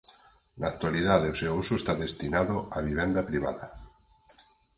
Na actualidade o seu uso está destinado a vivenda privada.